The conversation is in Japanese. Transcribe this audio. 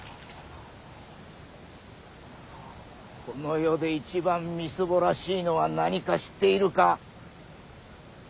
この世で一番みすぼらしいのは何か知っているか。